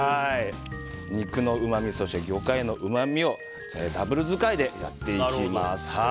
肉のうまみ、魚介のうまみをダブル使いでやっていきます。